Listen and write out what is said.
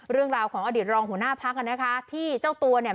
เรื่องราวของอดีตรองหัวหน้าพักอ่ะนะคะที่เจ้าตัวเนี่ย